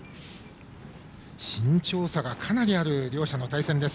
身長差がかなりある両者の対戦です。